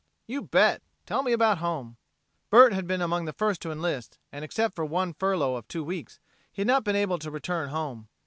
"You bet! Tell me about home." Bert had been among the first to enlist, and, except for one furlough of two weeks, he had not been able to return home.